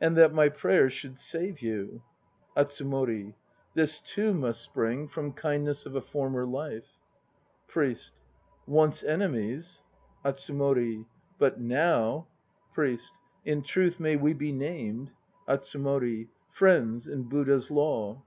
And that my prayers should save you ... ATSUMORI. This too must spring ATSUMORI 41 From kindness of a former life. 1 PRIEST. Once enemies ... ATSUMORI. But now ... PRIEST. In truth may we be named ... ATSUMORI. Friends in Buddha's Law.